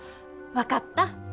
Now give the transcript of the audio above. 分かった。